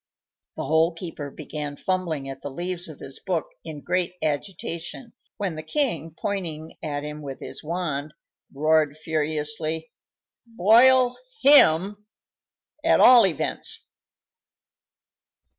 The Hole keeper began fumbling at the leaves of his book in great agitation, when the king, pointing at him with his wand, roared furiously: "Boil him, at all events!"